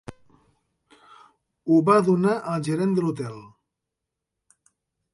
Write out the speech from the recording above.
Ho va donar al gerent de l'hotel.